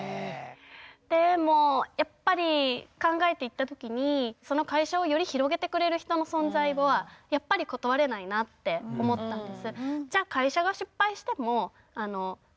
でもやっぱり考えていった時に会社をより広げてくれる人の存在はやっぱり断れないなって思ったんです。